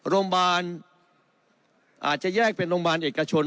โรงพยาบาลอาจจะแยกเป็นโรงพยาบาลเอกชน